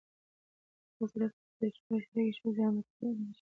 په هغه صورت کې چې تجربه شریکه شي، زیان به تکرار نه شي.